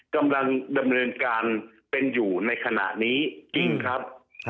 กำลังดำเนินการเป็นอยู่ในขณะนี้ยิ่งครับ